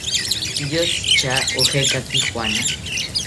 ¿Piyotzi tya ojekaki juana?